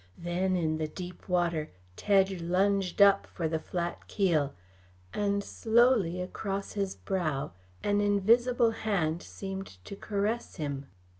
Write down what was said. Then in the deep water Tedge lunged up for the flat keel, and slowly across his brow an invisible hand seemed to caress him.